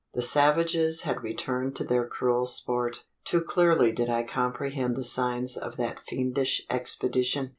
The savages had returned to their cruel sport. Too clearly did I comprehend the signs of that fiendish exhibition.